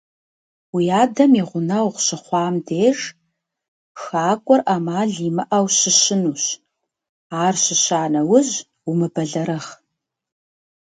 Уи адэм и гъунэгъу щыхъуам деж, хакӀуэр Ӏэмал имыӀэу щыщынущ, ар щыща нэужь, умыбэлэрыгъ.